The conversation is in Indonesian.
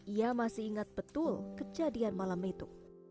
ia masih ingat betul kejadian malam itu